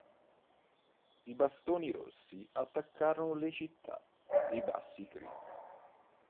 I Bastoni Rossi attaccarono le città dei Bassi Creek.